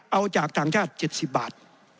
เอาจากต่างชาติ๗๐บาท